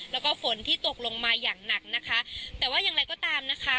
แล้วก็ฝนที่ตกลงมาอย่างหนักนะคะแต่ว่าอย่างไรก็ตามนะคะ